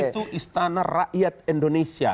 itu istana rakyat indonesia